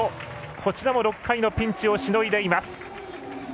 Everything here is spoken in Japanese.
こちらも６回のピンチをしのいでいます。